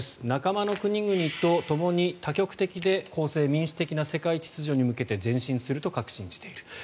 仲間の国々とともに多極的で公正・民主的な世界秩序に向けて前進すると確信している。